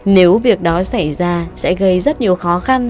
nếu việc đó xảy ra sẽ gây rất nhiều khó khăn